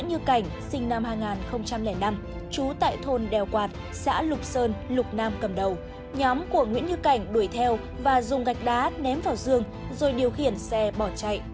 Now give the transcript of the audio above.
nhóm của nguyễn như cảnh đuổi theo và dùng gạch đá ném vào dương rồi điều khiển xe bỏ chạy